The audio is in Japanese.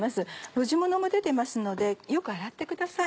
露地ものも出てますのでよく洗ってください。